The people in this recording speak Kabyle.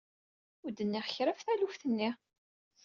Ur d-nniɣ kra ɣef taluft-nni.